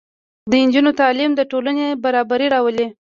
د نجونو تعلیم د ټولنې برابري راولي.